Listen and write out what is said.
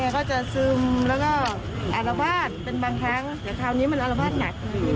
แต่คราวนี้มันอารวาสหนัก